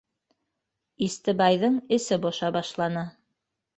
Истебайҙың эсе боша башланы.